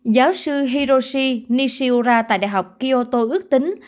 giáo sư hiroshi nishiura tại đại học kioto ước tính